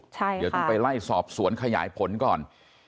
เดี๋ยวต้องไปไล่สอบสวนขยายผลก่อน